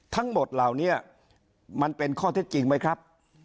ทั้งหมดเหล่านี้มันเป็นข้อเท็จจริงไหมครับ